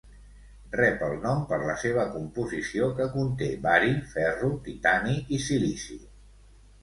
Rep el nom per la seva composició, que conté bari, ferro, titani i silici.